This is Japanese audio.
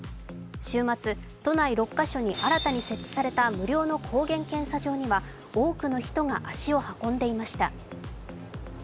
週末、都内６カ所に新たに設置された無料の抗原検査場には多くの人が足を運んでいました。